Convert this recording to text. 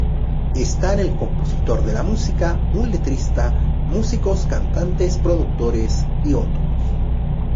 Están el compositor de la música, un letrista, músicos, cantantes, productores y otros.